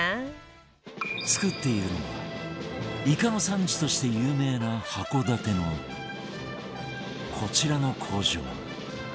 作っているのはイカの産地として有名な函館のこちらの工場